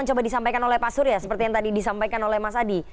coba disampaikan oleh pak surya seperti yang tadi disampaikan oleh mas adi